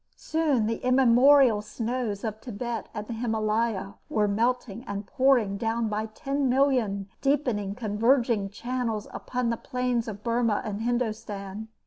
Soon the immemorial snows of Thibet and the Himalaya were melting and pouring down by ten million deepening converging channels upon the plains of Burmah and Hindostan.